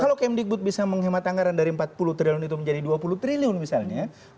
kalau kemdikbud bisa menghemat anggaran dari empat puluh triliun itu menjadi dua puluh triliun misalnya